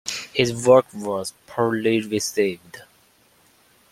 His work was poorly received.